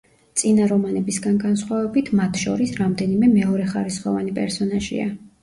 წინა რომანებისგან განსხვავებით, მათ შორის რამდენიმე მეორეხარისხოვანი პერსონაჟია.